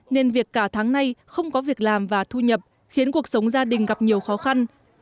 nên việc cả tháng nay không có việc làm và thu nhập khiến cuộc sống gia đình gặp nhiều khó khăn